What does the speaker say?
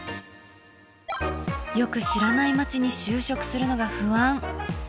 よく知らない町に就職するのが不安。